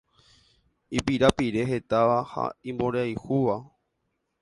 ipirapirehetáva ha imboriahúva